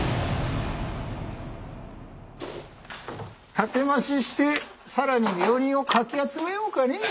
建て増ししてさらに病人をかき集めようかねぇ